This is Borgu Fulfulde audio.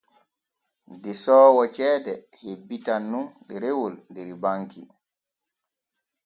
Desoowo ceede hebbitan nun ɗerewol der banki.